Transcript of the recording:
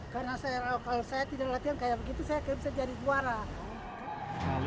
karena kalau saya tidak latihan kayak begitu saya kayak bisa jadi juara